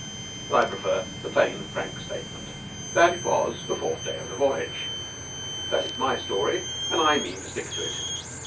But I prefer the plain frank statement that it was the fourth day of the voyage. That is my story and I mean to stick to it.